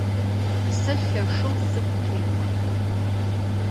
Сэ лъэшэу сыгу къео.